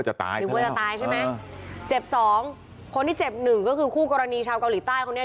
เจ็บสองคนที่เจ็บหนึ่งก็คือคู่กรณีชาวเกาหลีใต้เขาเนี่ย